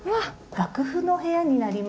楽譜の部屋になります。